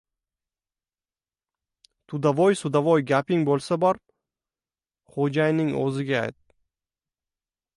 Tudovoy-sudovoy gaping bo‘lsa bor, xo‘jayinning o‘ziga ayt!